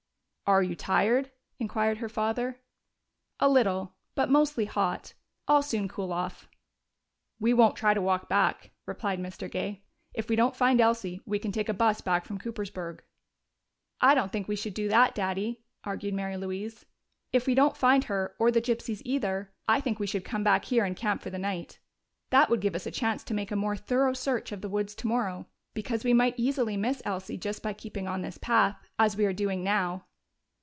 "Are you tired?" inquired her father. "A little. But mostly hot. I'll soon cool off." "We won't try to walk back," replied Mr. Gay. "If we don't find Elsie, we can take a bus back from Coopersburg." "I don't think we should do that, Daddy," argued Mary Louise. "If we don't find her or the gypsies either, I think we should come back here and camp for the night. That would give us a chance to make a more thorough search of the woods tomorrow. Because we might easily miss Elsie just by keeping on this path, as we are doing now."